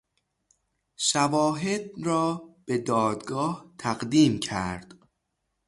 شواهد را به دادگاه تقدیم کرد.